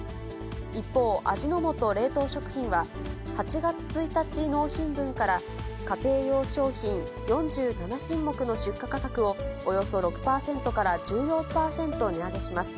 一方、味の素冷凍食品は、８月１日納品分から、家庭用商品４７品目の出荷価格をおよそ６％から１４％値上げします。